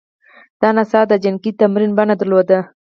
دا نڅا د جنګي تمرین بڼه درلوده